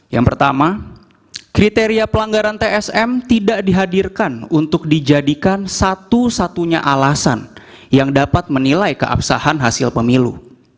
yang pertama kriteria pelanggaran tsm tidak dihadirkan untuk dijadikan satu satunya alasan yang dapat menilai keabsahan hasil pemilu